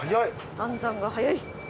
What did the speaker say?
暗算が早い。